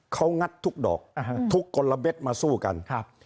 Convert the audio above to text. เขางัดทุกดอกทุกกลเบ็ดมาสู้กันครับ